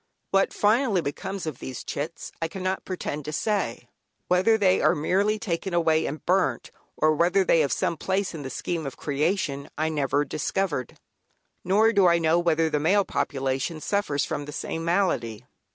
What finally becomes of these "chits" I cannot pretend to say; whether they are merely taken away and burnt, or whether they have some place in the scheme of creation, I never discovered. Nor do I know whether the male population suffers from the same malady.